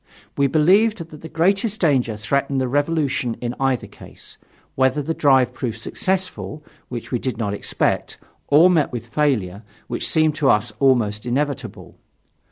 We believed that the greatest danger threatened the revolution in either case whether the drive proved successful, which we did not expect, or met with failure, which seemed to us almost inevitable.